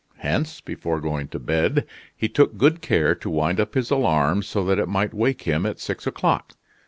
Hence, before going to bed he took good care to wind up his alarm so that it might wake him at six o'clock.